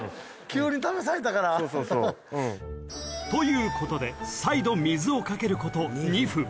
［ということで再度水をかけること２分］